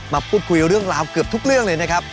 มาพูดคุยเรื่องราวเกือบทุกเรื่องเลยนะครับ